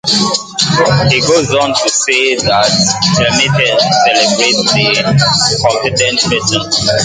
He goes on to say that Heinlein celebrates the "competent person".